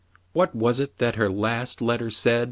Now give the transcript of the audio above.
"What was it that her last letter said?'